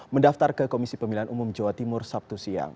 mendaftar ke komisi pemilihan umum jawa timur sabtu siang